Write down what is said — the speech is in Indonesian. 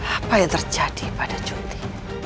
apa yang terjadi pada cuti